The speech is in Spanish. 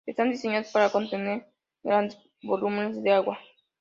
Están diseñadas para contener grandes volúmenes de agua.